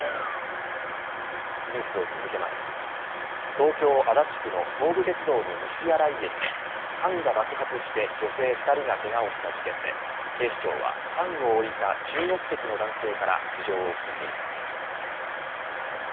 東京、足立区の東武鉄道の西新井駅で缶が爆発して女性２人がけがをした事件で警視庁は缶を置いた中国籍の男性から事情を聴いています。